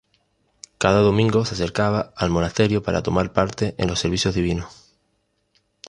Cada domingo se acercaba al monasterio para tomar parte en los servicios divinos.